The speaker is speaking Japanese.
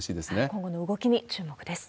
今後の動きに注目です。